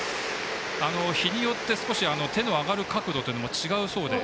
日によって少し手の上がる角度も違うそうで。